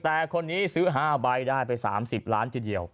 แต่คนนี้ซื้อ๕ใบได้ไป๓๐ล้านทีเดียว